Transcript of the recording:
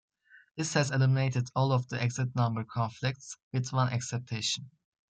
This has eliminated all of the exit number conflicts, with one exception.